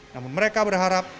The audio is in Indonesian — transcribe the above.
namun mereka berharap